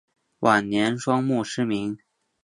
晚年双目失明。